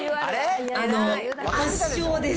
圧勝です。